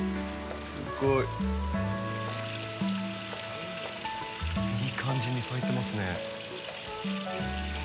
すごい。いい感じに咲いてますね。